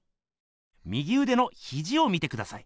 右うでのひじを見てください。